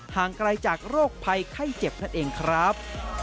ห่างไกลจากโรคภัยไข้เจ็บนั่นเองครับ